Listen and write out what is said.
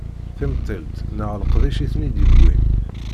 Timentilt neɣ leqdic i ten-id-yewwin.